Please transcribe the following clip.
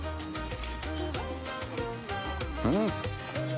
うん！